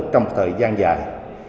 trong thời gian dài